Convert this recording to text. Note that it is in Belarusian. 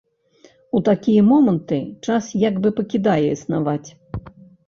У такія моманты час як бы пакідае існаваць.